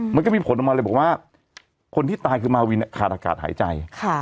มันก็มีผลออกมาเลยบอกว่าคนที่ตายคือมาวินขาดอากาศหายใจ